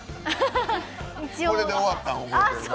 これで終わったん覚えてるな。